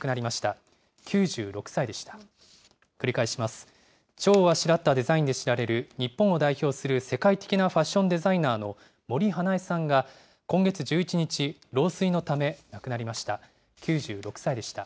ちょうをあしらったデザインで知られる日本を代表する世界的なファッションデザイナーの森英恵さんが今月１１日、老衰のため亡くなりました。